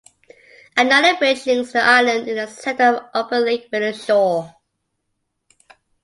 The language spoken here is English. Another bridge links the island in the centre of Upper Lake with the shore.